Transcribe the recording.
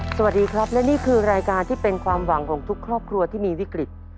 สวัสดีครับและนี่คือรายการที่เป็นความหวังของทุกครอบครัวที่มีวิกฤต